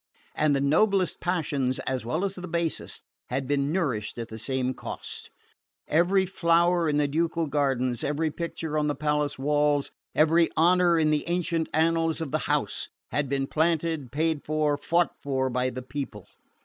And the noblest passions, as well as the basest, had been nourished at the same cost. Every flower in the ducal gardens, every picture on the palace walls, every honour in the ancient annals of the house, had been planted, paid for, fought for by the people.